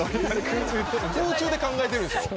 空中で考えてるんでしょ？